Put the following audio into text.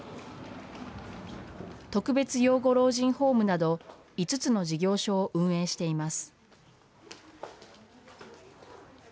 特別養護老人ホームなど、５つの事業所を運営しています。